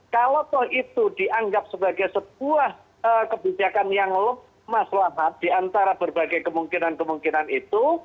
kalau toh itu dianggap sebagai sebuah kebijakan yang lemah selamat diantara berbagai kemungkinan kemungkinan itu